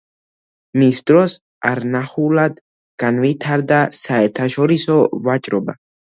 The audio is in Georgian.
მის დროს არნახულად განვითარდა საერთაშორისო ვაჭრობა.